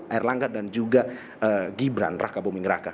erlangga dan juga gibran raka buming raka